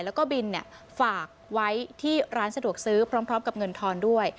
แล้วก็บินฝากไว้ที่ร้านสะดวกซื้อพร้อมกับเงินทอนด้วย